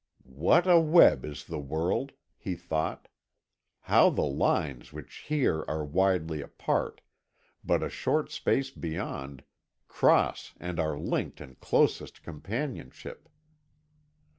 "What a web is the world!" he thought. "How the lines which here are widely apart, but a short space beyond cross and are linked in closest companionship!"